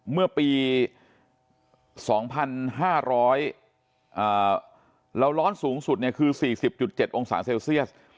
เมื่อปี๒๕๐๐เราร้อนสูงสุดคือ๔๐๗องศาเซลเซียส